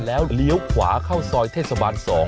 แล้วเลี้ยวขวาเข้าซอยเทศบาล๒